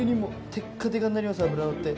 テッカテカになります脂のって。